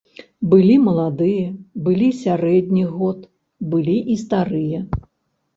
Былі маладыя, былі сярэдніх год, былі і старыя.